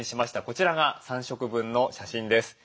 こちらが３食分の写真です。